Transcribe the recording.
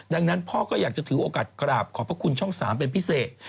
ดังนั้นพ่อก็อยากจะถือโอกาสกราบขอบพระคุณช่อง๓เป็นพิเศษ